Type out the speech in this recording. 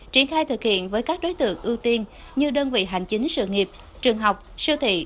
triển khai thực hiện với các đối tượng ưu tiên như đơn vị hành chính sự nghiệp trường học siêu thị